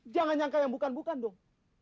jangan nyangka yang bukan bukan dong